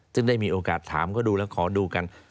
ซึ่งได้มีโอกาสถามก็ดูแล้วขอดูกัน